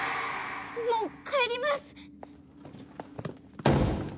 もう帰ります！